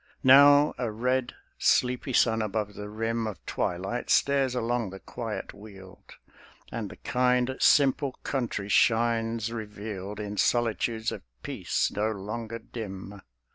Now a red, sleepy sun above the rim Of twilight stares along the quiet weald, And the kind, simple country shines revealed In solitudes of peace, no longer dim.